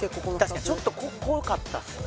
確かにちょっと濃かったっすね